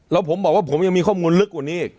แล้วผมบอกว่าผมยังมีข้อมูลลึกกว่านี้อีก